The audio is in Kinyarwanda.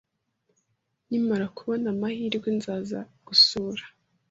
Nkimara kubona amahirwe, nzaza gusura